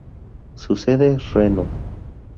Su sede es Reno.